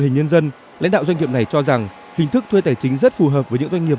hình nhân dân lãnh đạo doanh nghiệp này cho rằng hình thức thuê tài chính rất phù hợp với những doanh nghiệp